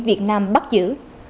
việt nam bắt giữ